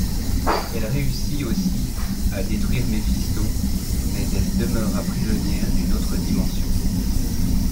Elle réussit aussi à détruire Méphisto, mais elle demeura prisonnière d'une autre dimension.